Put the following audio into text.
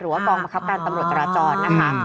หรือว่ากองประคับการตำรวจตราจรนะคะ